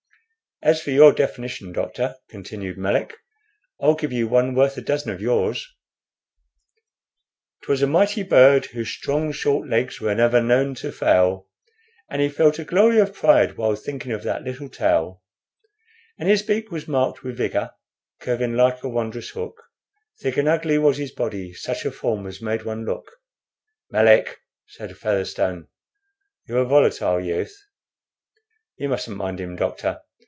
"As for your definition, doctor," continued Melick, "I'll give you one worth a dozen of yours: "'Twas a mighty bird; those strong, short legs were never known to fail, And he felt a glory of pride while thinking of that little tail, And his beak was marked with vigor, curving like a wondrous hook; Thick and ugly was his body such a form as made one look!" "Melick," said Featherstone, "you're a volatile youth. You mustn't mind him, doctor.